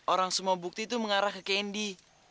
orang semua bukti itu mengarah ke candy